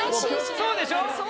そうでしょ？